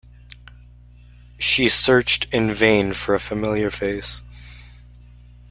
She searched in vain for a familiar face.